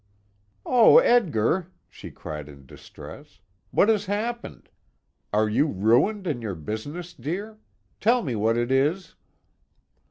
"Oh Edgar!" she cried in distress. "What has happened? Are you ruined in your business, dear? Tell me what it is?"